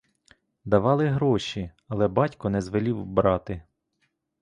Давали гроші, але батько не звелів брати.